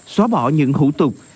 xóa bỏ những hủ tục